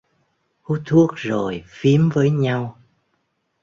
Hút thuốc rồi phiếm với nhau